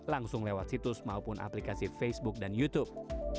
langsung lewat situs maupun aplikasi facebook dan youtube